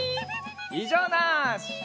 いじょうなし！